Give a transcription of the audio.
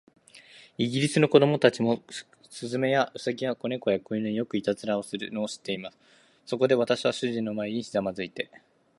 イギリスの子供たちも、雀や、兎や、小猫や、小犬に、よくいたずらをするのを知っています。そこで、私は主人の前にひざまずいて